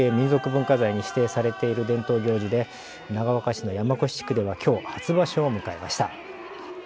文化財に指定されている伝統行事で長岡市の山古志地区ではきょう初場所を迎えました。